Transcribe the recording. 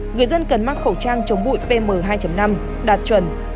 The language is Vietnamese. người dân cần mang khẩu trang chống bụi pm hai năm đạt chuẩn